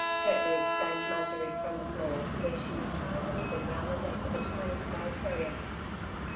pertly exclaimed Mar guerite from the floor, where she was tying a ribbon round the neck of a tiny Skye terrier.